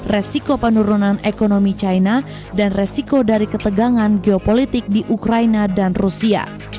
resiko penurunan ekonomi china dan resiko dari ketegangan geopolitik di ukraina dan rusia